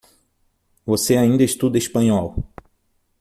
Você ainda estuda Espanhol.